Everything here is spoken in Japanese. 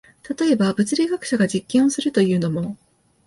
例えば、物理学者が実験をするというのも、